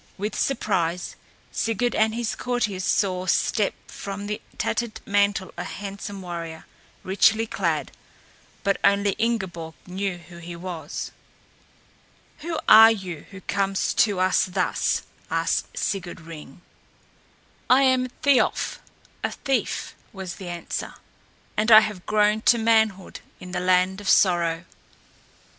With surprise Sigurd and his courtiers saw step from the tattered mantle a handsome warrior, richly clad; but only Ingeborg knew who he was. "Who are you who comes to us thus?" asked Sigurd Ring. "I am Thiolf, a thief," was the answer, "and I have grown to manhood in the Land of Sorrow."